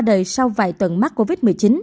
đời sau vài tuần mắc covid một mươi chín